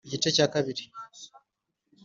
Igice cya kabiri .